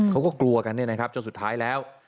เขาก็กลัวกันเนี่ยนะครับจนสุดท้ายแล้ว